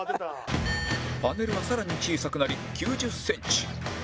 パネルはさらに小さくなり９０センチ